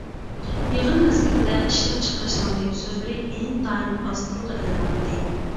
يىغىن مەزگىلىدە ئىشلەپچىقىرىشنىڭ گەپ-سۆزلىرى ئىنتايىن ئاز تىلغا ئېلىناتتى.